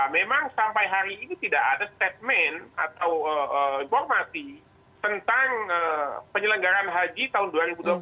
memang sampai hari ini tidak ada statement atau informasi tentang penyelenggaran haji tahun dua ribu dua puluh satu